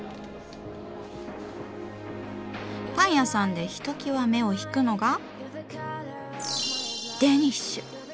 パン屋さんでひときわ目を引くのがデニッシュ！